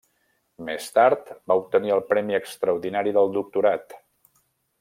Més tard va obtenir el premi extraordinari del doctorat.